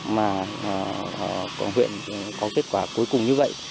mà huyện có kết quả cuối cùng như vậy